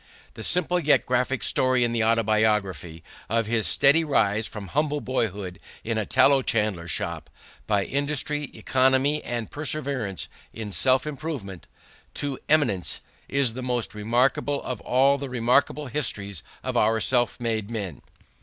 The simple yet graphic story in the Autobiography of his steady rise from humble boyhood in a tallow chandler shop, by industry, economy, and perseverance in self improvement, to eminence, is the most remarkable of all the remarkable histories of our self made men.